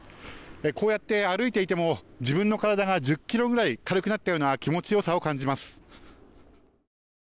こうやって歩いていても自分の体が１０ｋｇぐらい軽くなったような気持ち良さを感じます。